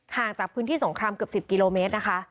ห่างจากพื้นที่สงครามเกือบ๑๐กิโลเมตรนะคะ